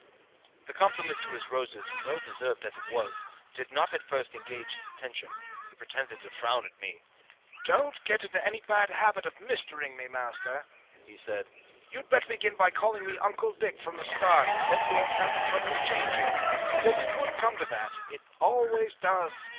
The compliment to his roses, well deserved as it was, did not at first engage his attention. He pretended to frown at me. "Don't get into any bad habit of mistering me, Master," he said. "You'd better begin by calling me Uncle Dick from the start and then you won't have the trouble of changing. Because it would come to that it always does.